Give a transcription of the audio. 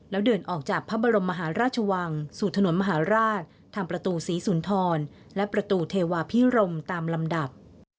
แล้วเดินออกจากพระบรมมหาราชวังสู่ถนนมหาราชทางประตูศรีสุนทรและประตูเทวาพิรมตามลำดับ